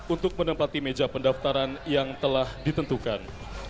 untuk menempati meja pendaftaran yang telah ditentukan